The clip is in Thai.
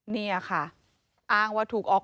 นี่ค่ะอ้างว่าถูกออก